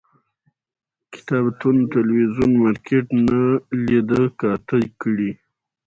کتابتون، تلویزون، مارکيټ نه لیده کاته کړي